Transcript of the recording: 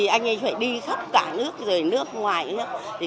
anh ấy phải đi khắp cả nước rời nước ngoài